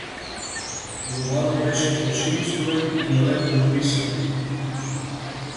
Романът беше фалшиво скроен и нелепо написан.